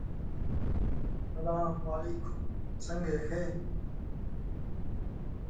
The correct form is the adverb form "well" instead of the adjective form "good".